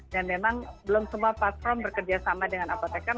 dan memang belum semua platform bekerja sama dengan apotekar